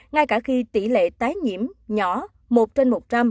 ngay cả khi tỷ lệ tái nhiễm nhỏ một trên một trăm linh